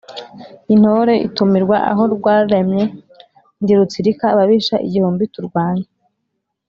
Intore itumirwa aho rwaremye, ndi rutsirika ababisha igihumbi turwana